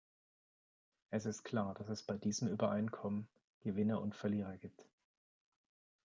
Es ist klar, dass es bei diesen Übereinkommen Gewinner und Verlierer gibt.